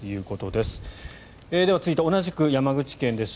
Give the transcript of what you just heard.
では、続いて同じく山口県です。